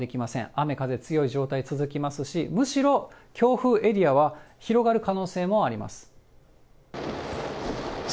雨、風強い状態続きますし、むしろ、強風エリアは広がる可能性もあります。